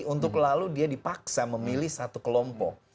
untuk lalu dia dipaksa memilih satu kelompok